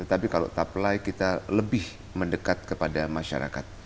apalagi kita lebih mendekat kepada masyarakat